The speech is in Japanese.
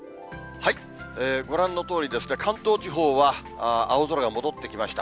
ご覧のとおりですね、関東地方は青空が戻ってきました。